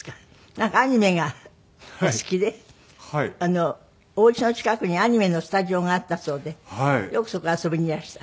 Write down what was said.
なんかアニメがお好きでお家の近くにアニメのスタジオがあったそうでよくそこ遊びにいらした。